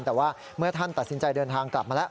แต่ว่าเมื่อท่านตัดสินใจเดินทางกลับมาแล้ว